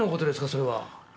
それは。